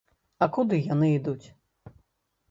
А куды яны ідуць?